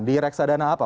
di reksadana apa